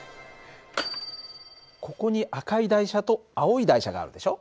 ここに赤い台車と青い台車があるでしょ。